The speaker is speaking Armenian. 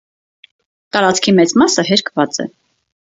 Տարածքի մեծ մասը հերկված է։